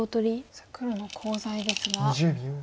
さあ黒のコウ材ですが。